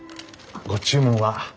ご注文は？